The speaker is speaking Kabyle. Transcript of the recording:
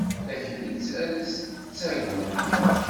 Taklit ad as-d-tettagem.